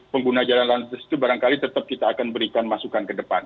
pengguna jalan lantas itu barangkali tetap kita akan berikan masukan ke depan